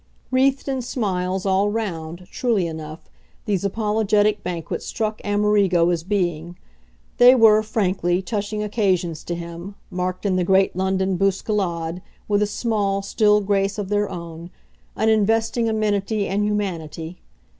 Wreathed in smiles, all round, truly enough, these apologetic banquets struck Amerigo as being; they were, frankly, touching occasions to him, marked, in the great London bousculade, with a small, still grace of their own, an investing amenity and humanity.